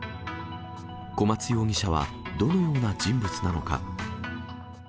小松容疑者はどのような人物なのか。